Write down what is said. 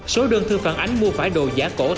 số đơn thư phản ánh mua phải đồ giả cổ